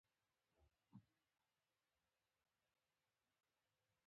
افغانستان له د اوبو سرچینې ډک دی.